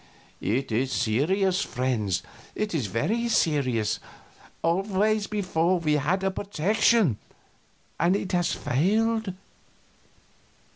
"It is serious, friends, it is very serious. Always before, we had a protection. It has failed."